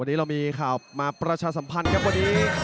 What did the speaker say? วันนี้เรามีข่าวมาประชาสัมพันธ์ครับวันนี้